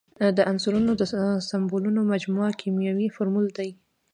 د عنصرونو د سمبولونو مجموعه کیمیاوي فورمول دی.